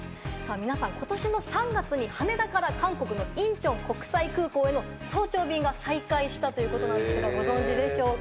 皆さん、今年の３月に羽田から韓国のインチョン国際空港への早朝便が再開したということなんですが、ご存知でしょうか？